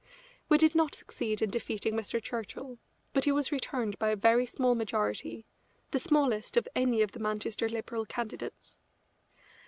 We did not succeed in defeating Mr. Churchill, but he was returned by a very small majority, the smallest of any of the Manchester Liberal candidates.